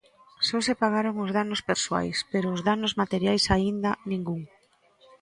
Só se pagaron os danos persoais, pero os danos materiais aínda ningún.